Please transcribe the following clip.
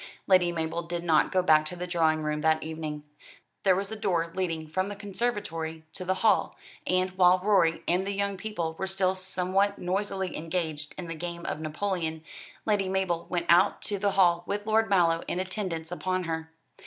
Lady Mabel did not go back to the drawing room that evening. There was a door leading from the conservatory to the hall; and, while Rorie and the young people were still somewhat noisily engaged in the game of Napoleon, Lady Mabel went out to the hall with Lord Mallow in attendance upon her.